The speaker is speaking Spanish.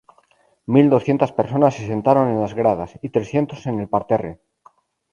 Mil doscientas personas se sentaron en las gradas, y trescientos en el parterre.